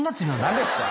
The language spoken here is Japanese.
何ですか？